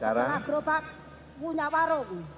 sekarang gerobak punya warung